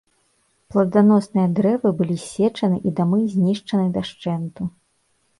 Пладаносныя дрэвы былі ссечаны і дамы знішчаны дашчэнту.